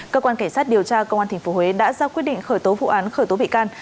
cơ quan cảnh sát điều tra công an tp huế đã ra quyết định khởi tố vụ án khởi tố bị can